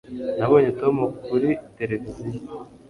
Nabonye Tom kuri tereviziyo